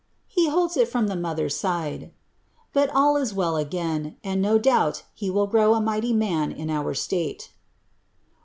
'i'' holds it from the mother's side ;' but all is well again, and no douii; '■•' will grow a mighty man in our slate."